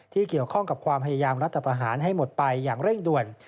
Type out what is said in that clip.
เกี่ยวข้องกับความพยายามรัฐประหารให้หมดไปอย่างเร่งด่วน